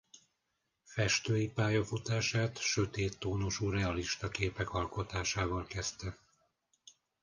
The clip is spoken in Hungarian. Festői pályafutását sötét tónusú realista képek alkotásával kezdte.